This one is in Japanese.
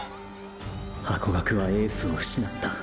ハコガクはエースを失った！！